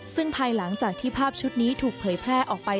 ซึ่งภายหลังจากที่ภาพชุดนี้ถูกเผยแพร่ออกไป